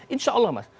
insya allah mas